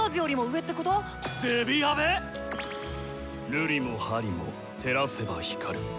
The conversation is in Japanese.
瑠璃も玻璃も照らせば光る。